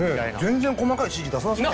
全然細かい指示出さなそう。